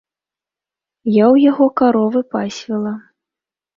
Я ў яго каровы пасвіла.